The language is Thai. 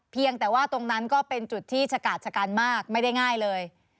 เพียงแต่ว่าตรงนั้นก็เป็นจุดที่ชะกาดชะกันมากไม่ได้ง่ายเลย